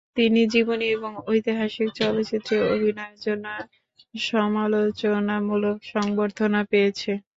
তিনি জীবনী এবং ঐতিহাসিক চলচ্চিত্রে অভিনয়ের জন্যে সমালোচনামূলক সংবর্ধনা পেয়েছে।